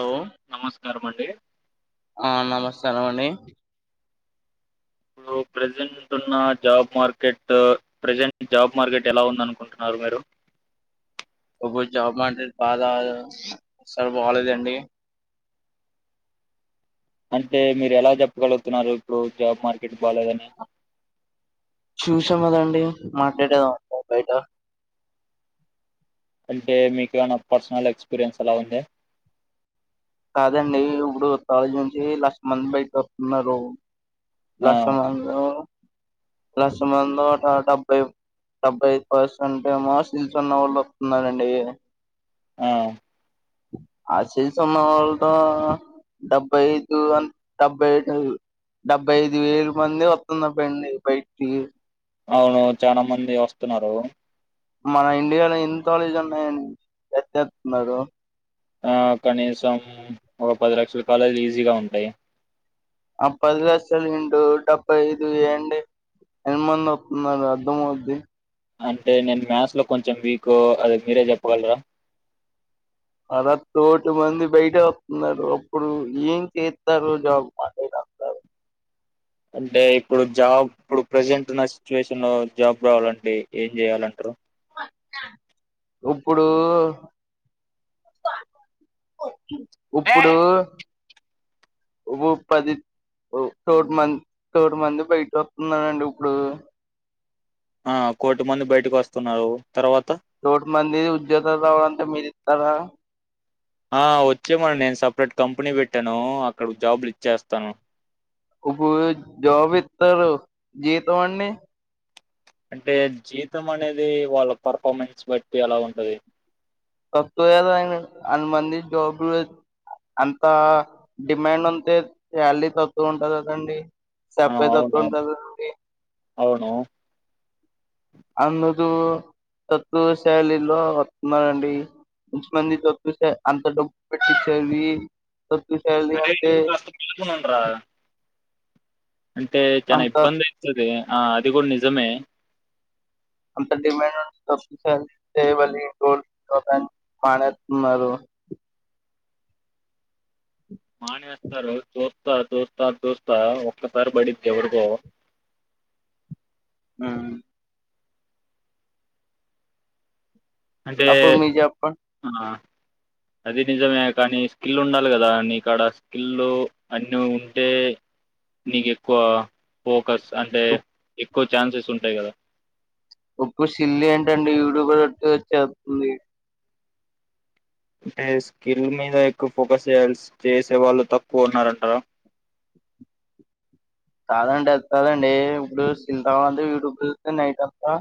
అఒ నమస్కారం అండి. ఆ నమస్కారం అండి. ఇప్పుడు ప్రజెంట్ ఉన్న job market present job market ఎల ఉంద్ అనుకుంటున్నార్? ఎవరు మీరు? ఒక జాబ్ [unintelligible] సల్ బాలేదండి అంటే మీర్ ఎలా చెప్పగల్గుతున్నారు ఇప్పుడు జాబ్ మార్కెట్ బాలేదని? చూసాంగదండి మార్కెట్ బయట అంటే మీక్ ఎమైన పర్సనల్ ఎక్స్పీరియన్స్ అలా ఉంద? కాదండి ఇప్పుడు కాలెజ్ నుంచి లక్ష మంద్ బయటక్ ఒత్తున్నారు. ఆ లక్షమందిలో లక్షమంద్లో ఒక డెబ్బై డెబ్బై పర్సెంట్ ఏమో స్కిల్స్ ఉన్న వాళ్ళు వస్తున్నారండి. ఆ ఆ సిల్సున్నవాల్తో డెబ్బైఐదు అంత్ డెబ్బై అయితది. డెబ్బై ఐదు వేలు మంది వస్తున్న బండి బయిటికి అవునావును చాలా మంది వస్తున్నారు. మన ఇండియాలో ఎన్ని కాలేజీలున్నాయ్ ఎట్ చేస్తున్నారు. ఆ కనీసం ఒక పది లక్షల కాలేజీలు ఈజీగా ఉంటాయి. ఆ పది లక్షలు ఇంటు డెబ్బై ఐదు ఏండ్ ఎంత మంది వత్తున్నారు అర్ధం అవుద్ది అంటే నేను మ్యాథ్స్ లో కొంచెం వీక్ అది మీరే చెప్పగలరా. అరకోటి మంది బయట వస్తున్నారు అప్పుడు ఏం చేత్తారు జాబ్ [unintelligible] బ్లాంక్ అంటే ఇప్పుడు జాబ్ ఇప్పుడు ప్రెసెంట్ ఉన్న సిచ్యువేషన్ న్న జాబ్ కావాలంటే ఏం చేయలంటరు. ఇప్పుడూ ఇప్పుడూ ఉ పది ఓ కోటి మంది కోటి మంది బయట వత్తున్నరండి ఇప్పుడు ఆ కోటి మంది బయటకు వస్తున్నారు తర్వాత కోటి మంది ఉద్యోగాలు రావు అంతా మీరు ఇత్తారా ఆ వచ్చే మనండి నేను సపరేట్ కంపెనీ పెట్టాను. అక్కడ జాబ్లు ఇచ్చేస్తాను. ఇప్పుడూ జాబు ఇత్తారు. జీతం అండి. అంటే జీతం అనేది, వాళ్ళ పెర్ఫార్మెన్సు బట్టి అలా ఉంటది. తబ్ [unintelligible] అనుమంది జాబ్లు అంతా డిమాండ్ ఉంటే సాలరీ తక్కువ ఉంటది కదండి. ఆ సప్పే అవును తతుండదు అండి అవును అందుకు తక్కువ సాలారీలో వత్తున్నారండి. కొంచి మంది తక్కువగా అంత డబ్బు పెట్టించాలీ తక్కువ సాలరీ అరే అంతే నువ్వు కాస్త మేల్కొనుండ్రా అంటే చానా ఇబ్బంది అయితది. ఆ అది కూడా నిజమే. అంత డిమాండ్ వస్తే సేవలు గోల్డ్ స్టం పానే ఉన్నారు మానేస్తారు చూస్తా చూస్తా చూస్తా ఒక్కసారి పడిద్ది ఎవరికో బ్లాంక్ అ అంటే అప్పుడు మీరు చెప్పండి ఆ అది నిజమే కానీ స్కిల్ ఉండాలి కదా. నీకాడ స్కిల్ అన్ని ఉంటే నీకు ఎక్కువ ఫోకస్ అంటే ఎక్కువ ఛాన్సెస్ ఉంటాయి కదా. ఉప్పు సిల్లి ఏంటండి యూట్యూబ్ లో కొడితే వచ్చేస్తుంది. అంటే స్కిల్ మీద ఎక్కువ ఫోకస్ చేయాల్సి చేసే వాళ్ళు తక్కువ ఉన్నారంటా. కాదండి అదికాదండి. ఇప్పుడు సిల్తా అంత ఇప్పుడు నైట్ అంతా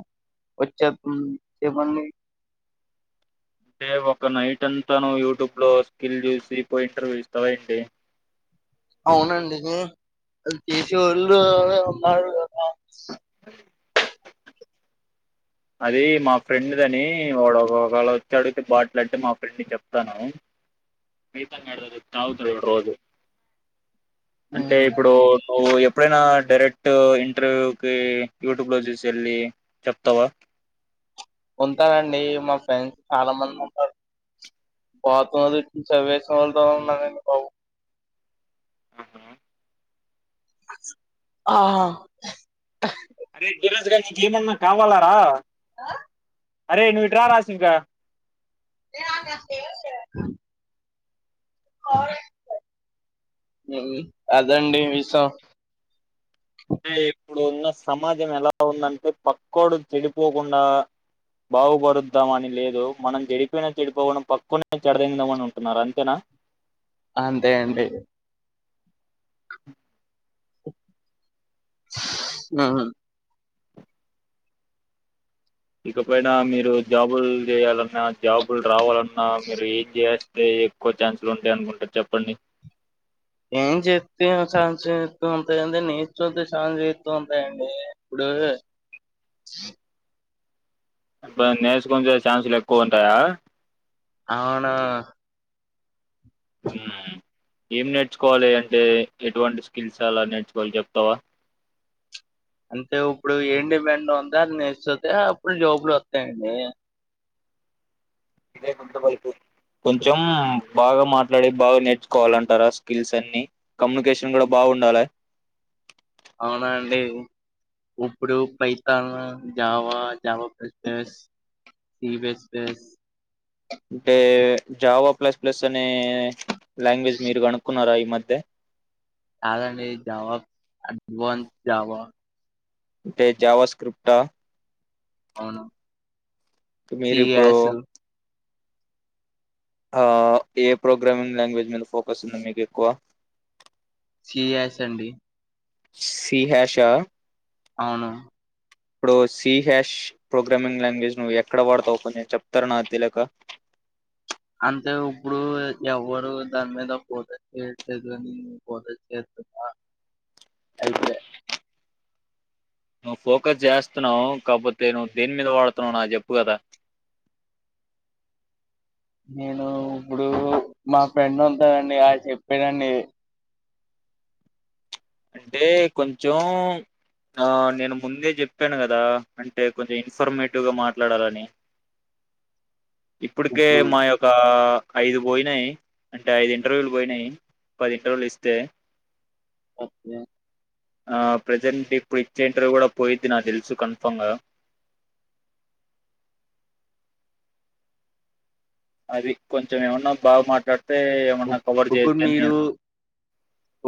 వచ్చేతున్ ఇవన్నీ అంటే ఒక నైటంత నువు యూట్యూబ్ లో స్కిల్ చూసి పోయి ఇంటర్వ్యూ ఇస్తావఏంటి. బ్లాంక్ అవునండి నిజమే చేసేవాళ్ళు ఉన్నారు ఆ అది మా ఫ్రెండ్ దని వాడు ఒకవేళ వచ్చి అడిగితే బాటిలు అంటే మా ఫ్రెండ్ చెప్తాను. రైతాంగాడి రోజు తాగుతాడు వాడు రోజు అంటే ఉమ్. ఇప్పుడు మువ్ చెప్ ఎప్పుడైనా డైరెక్ట్ ఇంటర్వ్యూకి యూట్యూబ్ లో చూసెళ్ళి చెప్తావా ఉంతారండి మా ఫ్రెండ్స్ చాలా మంది ఉంటారు [unintelligible] ఆహా అరే రాజగారికి నీకేమన్నా కావాలారా అరే నువ్వుటి రా రాసి ఇంకా ఉ అదండి విసం అంటే ఇప్పుడు ఉన్న సమాజం ఎలా ఉందంటే పక్కోడు చెడిపోకుండా బాగుపరుద్దామ అని లేదు మనం చెడిపోయినా చెడిపోకూన పక్కోనే చెడదెగ్దామాని ఉంటున్నారు అంతేనా అంతే అండి ఉహుం ఇకపైన మీరు జాబులు జెయాలన్నా జాబులు రావాలన్నా మీరు ఏం చేస్ తె ఎక్కువ ఛాన్స్లు ఉంటాయి అనుకుంట చెప్పండి ఏం చెప్తే ఛాన్స్ యిస్తూ ఉంటాయండి నేన్ [unintelligible] ఛాన్స్ యిస్తూ ఉంటాయండి ఇప్పుడు బ్ నేర్చుకుంచే ఛాన్సులు ఎక్కువ ఉంటాయా అవును ఉమ్ ఏం నేర్చుకోవాలి అంటే ఎటువంటి స్కిల్స్ అలా నేర్చుకోవాలి చెప్తావా అంటే ఇప్పుడు ఏం డిమాండ్ ఉందో అది నేర్స్తతే అప్పుడు జాబులు వత్తయండి ఇదే! ! ! ! ! ! ! ! ! కొంచం బాగా మాట్లాడి బాగా నేర్చుకోవాలంటార స్కిల్స్ అన్ని కమ్యూనికేషన్ కూడా బాగ్ ఉండాలే అవునా అండి ఉప్పుడు Python Java Java [unintelligible] C B S base అంటే జావా ప్లస్ ప్లస్ అనే లాంగ్వేజ్ మీరు గనుక్కున్నారా మద్దె కాదండి జవా అడ్వాన్స్ జవా టే జావ స్క్రిప్ట్స్ ఆ అవును సి మీరు ఇప్పుడు యసు ఆ ఏ ప్రోగ్రామింగ్ లాంగ్వేజ్ మీద ఫోకస్ ఉంది మీకు ఎక్కువ సిఎస్ అండి సిహాషా అవును ఇప్పుడు సి హ్యాష్ ప్రోగ్రామింగ్ లాంగ్వేజ్ నువ్వు ఎక్కడ వాడతావు కొంచెం చెప్తార నాక్ తెలియక అంతె ఇప్పుడు ఎవరు దాని మీద ఫోకస్ చెయ్యట్లేదు అని ఫోక అయిపే నువ్వు ఫోకస్ చేస్తున్నావ్ కాకపోతే నువ్వు దేని మీద వాడుతున్నావ్ నాక్ చెప్పు గదా నేను ఉప్పుడు మా ఫ్రెండ్ ఉంటాయండి అడు చెప్పేదండి అంటే కొంచెం ఆ నేను ముందే చెప్పాను గదా అంటే కొంచెం ఇన్ఫర్మేటివ్ గా మాట్లాడాలని ఇప్పుడికే ఇప్పుడు మా యొకా ఐదు పోయినాయి అంటే ఐదు ఇంటర్వ్యూలు పోయినాయి పది ఇంటర్వ్యలు ఇస్తే య ఆ ప్రజెంట్ ఇప్పుడు ఇచ్చే ఇంటర్వ్యూ కూడా పోయిద్ది నాకు తెలుసు కన్ఫామ్గ అది కొంచెం ఏమన్నా బాగా మాట్లాడితే ఏమన్నా కవర్ చేయొచ్చు అని నేన్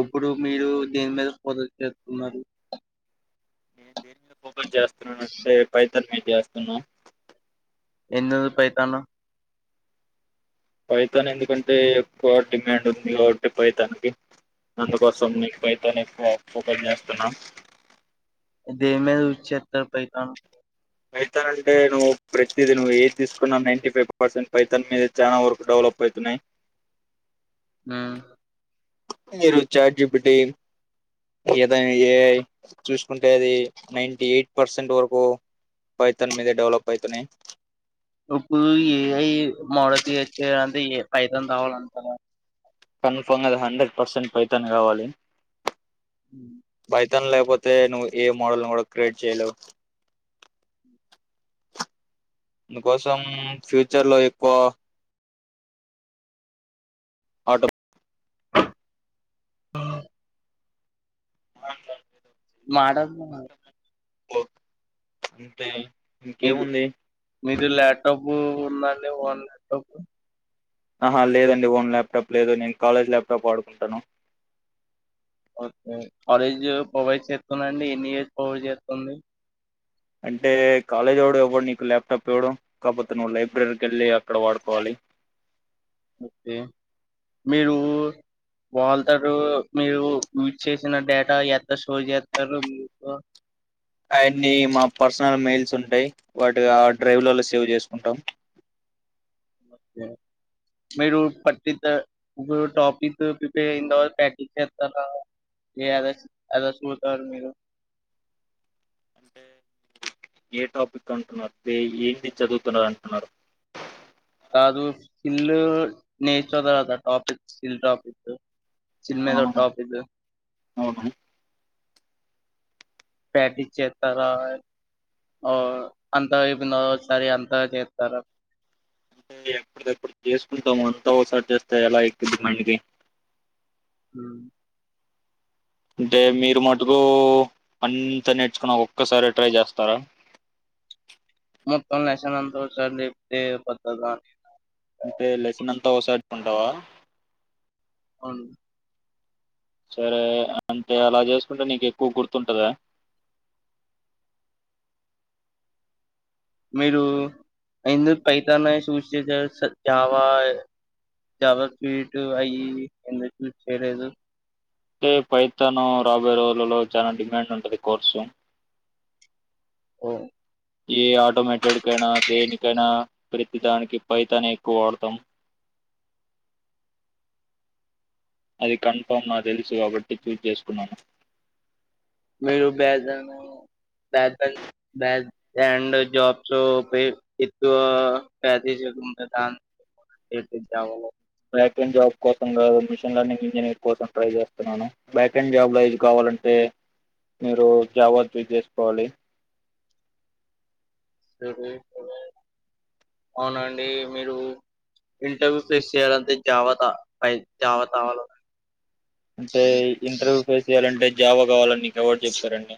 ఉప్పుడు మీరు దేన్మీద ఫోకస్ చేత్తున్నారు నేను దేని మీద ఫోకస్ చేస్తున్నాను అంటే పైతాన్మి చేస్తున్నా ఎందుకు పైతాను పైతాన్ ఎందుకంటే ఎక్కువ డిమాండ్ ఉందిగాబట్టి పైతాన్ కి అందుకోసం మీక్ పైతన్ ఎక్కువ ఫోకస్ చేస్తున్నా దేనే యూజ్ చేతారు పైతాన్ పైతన్ అంటే నువ్వు ప్రతిది నువ్వు ఏది తీసుకున్నా నైన్టి ఫైవ్ పర్సెంట్ పైతాన్ మీద చాలా వరకు డెవలప్ అవు వెళ్తున్నాయి హ మీరు చాట్జప్ట్ ఏదైనా ఏఐ చూసుకుంటే అది నైన్టీ ఎయిట్ పర్సెంట్ వరకు పైతన్ మీద డెవలప్ అయితున్నాయి ఇప్పుడు ఏఐ మోడల్ చెస్యాలంటే ఏ ఫైతన్ రావాలంటారా కన్ఫామ్ అది హండ్రెడ్ పర్సెంట్ పైతాన్ కావాలి ఉహ్ పైతాను లేకపోతే నువ్వు ఏ మోడల్ మోడల్ క్రియట్ చేయలేవు మనకోసం ఫ్యూచర్ లో ఎక్కువ ఆటో హ మాడన్ ఓ అంతే మీది ఇంకేముంది మీది ల్యాప్టాప్ ఉందండి ఓన్ ల్యాప్టాప్ ఆహా లేదండి ఓన్ ల్యాప్టాప్ లేదు నేను కాలేజ్ ల్యాప్టాప్ వాడుకుంటాను ఓకే కాలేజ్ ప్రొవైడ్ చేస్తుందండి ఎన్ని ఇయర్స్ ప్రొవైడ్ చేస్తుంది అంటే కాలేజొడు ఎవ్వడు నీకు ల్యాప్టాప్ ఇవ్వడు కాకపోతే నువ్వు లైబ్రరీకి వెళ్ళి అక్కడ వాడుకోవాలి ఓకే మీరు వాళ్ళతారు మీరు యూజ్ చేసిన డేటా ఎట్ట స్టోర్ చేస్తారు మీకు అయన్నీ మా పర్సనల్ మెయిల్స్ ఉంటాయ్ వాటి ఆ డ్రైవ్లలో సేవ్ చేసుకుంటాం ఓకే మీరు టాపిక్ ప్రిపేర్ అయినాతర్వాత ప్రాక్టీస్ చేస్తారా ఏది అద సూతరు మీరు అంటే ఏ టాపిక్ అంటున్నారు టే ఏంటి చదువుతున్న అంటున్నారు కాదు స్కిల్ నేర్చర్ద కదా టాపిక్ స్కిల్ టాపిక్ చిన్నదో అవును టాపికు అవును ప్రాక్టీస్ చెతార హ అంతా అపోయిందా ఓసారి అంతా చేస్తారు ఏ ఎప్పుడికప్పుడు చేసుకుంటాము అంతా ఒకసారి చేస్తా ఎలా ఎక్కింది మడ్కి ఉహ్ అంటే మీరు మట్టుకూ అంతా నేర్చుకుని ఆ ఒక్కసారే ట్రై చేస్తారా మొత్తం లెసన్ అంత ఒకసారి నేర్పితే అయిపోతదా అని అంటే లెసన్ అంతా ఓసారి చెప్పమటవా ఆవును సరే అంటే అలా చేస్కుంటే నీక్ ఎక్కు గుర్తుంటదా? మీరు ఎందుకు పైతానే చూస్ చేసారు సార్ జావా జావా స్వీట్ అయి ఎందుకు చూస్ చేయలేదు. టే పైతన్ రాబోయే రోజులలో చానా డిమాండ్ ఉంటది కోర్సు హ్మ్మ్ ఏ ఆటోమేటడ్కైనా దేనికైనా ప్రతిదానికి పైతనే ఎక్కువ వాడతాం అది కన్ఫామ్గా తెల్సు కాబట్టి చూస్ చేస్కున్నాను. మీరు [inaudible] బ్యాటన్ బాండ్ జాబ్స్ పి పిత్తు ప్రాక్టీస్ చేస్కుంటరా [unintelligible] బ్యాక్ అండ్ జాబ్ కోసం మిషన్ లర్నింగ్ ఇంజనీర్ కోసం ట్రై చేస్తున్నాను. బ్యాక్ అండ్ జాబ్ల ఇది కావాలంటే మీరు జావా చూస్ చేస్కోవాలి. సరే సరే అవునండి మీరు ఇంటర్వ్యూ ఫేస్ చేయాలంతే జావత పై జవతవాల అంటే ఇంటర్వ్యూ ఫేస్ చెయ్యాలంటే జావా కావాలని నీక్ ఎవడ్ చెప్పారండి.